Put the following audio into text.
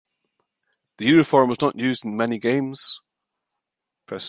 The uniform was not used in many games.